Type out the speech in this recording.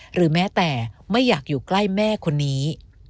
หรือแม้แต่ไม่อยากอยู่ใกล้แม่คนนี้